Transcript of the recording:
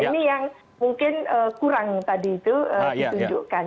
ini yang mungkin kurang tadi itu ditunjukkan